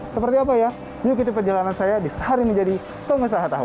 seperti apa ya yuk ikuti perjalanan saya di sehari menjadi pengusaha tahu